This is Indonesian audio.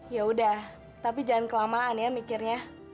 yaudah tapi jangan kelamaan ya mikirnya